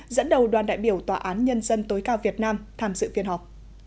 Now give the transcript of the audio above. dẫn đầu đoàn đại biểu tòa án nhân dân tối cao việt nam tham dự phiên họp